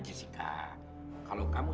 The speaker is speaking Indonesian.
terima kasih mas